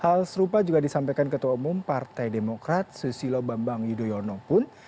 hal serupa juga disampaikan ketua umum partai demokrat susilo bambang yudhoyono pun